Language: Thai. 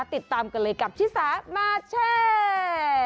ติดตามกันเลยกับชิสามาแชร์